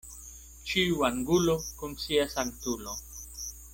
Ĉiu angulo kun sia sanktulo.